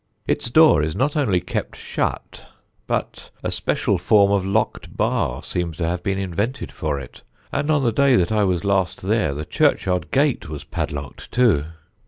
Its door is not only kept shut, but a special form of locked bar seems to have been invented for it, and on the day that I was last there the churchyard gate was padlocked too.